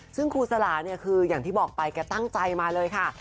ซึ่งครูสลาเนี่ยคืออย่างที่บอกไปแกตั้งใจมาเลยค่ะ